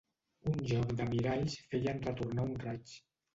Un joc de miralls feien retornar un raig.